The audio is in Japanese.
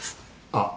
あっ